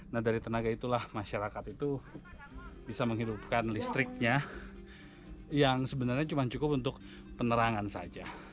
nah dari tenaga itulah masyarakat itu bisa menghidupkan listriknya yang sebenarnya cuma cukup untuk penerangan saja